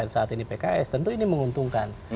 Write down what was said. saat ini pks tentu ini menguntungkan